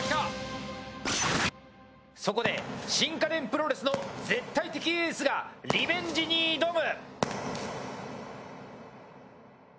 そこで新家電プロレスの絶対的エースがリベンジに挑む！